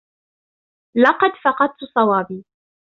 لقد فقدت صوابي.